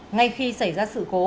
ngay khi xảy ra sự cố